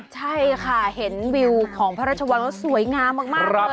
ใช่ค่ะเห็นวิวของพระราชวันแต่นี้สวยงามมาก